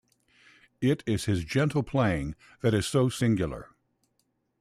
It is his gentle playing that is so singular.